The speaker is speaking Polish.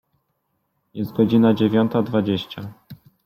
Jest godzina dziewiąta dwadzieścia.